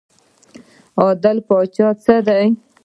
عدل د پاچاهۍ څه دی؟